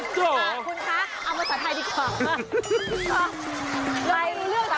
คุณคะเอาภาษาไทยดีกว่า